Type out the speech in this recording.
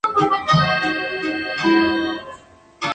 El corte no entró en las listas ni estadounidenses ni británicas.